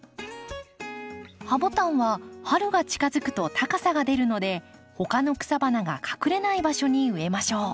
ハボタンは春が近づくと高さが出るので他の草花が隠れない場所に植えましょう。